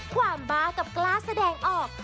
ความบาดกับกล้าแสดงออก